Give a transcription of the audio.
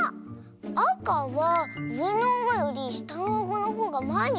あかはうえのあごよりしたのあごのほうがまえにでてる！